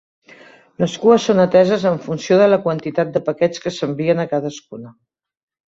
Les cues són ateses en funció de la quantitat de paquets que s'envien a cadascuna.